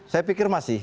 saya pikir masih